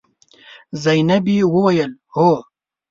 زينبې وويل: هو.